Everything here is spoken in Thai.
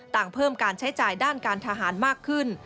เพิ่มการใช้จ่ายด้านการทหารมากขึ้น